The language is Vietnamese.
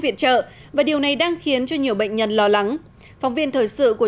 viện trợ và điều này đang khiến cho nhiều bệnh nhân lo lắng phóng viên thời sự của